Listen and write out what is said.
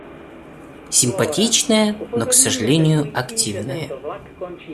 Симпатичная, но к сожалению, активная.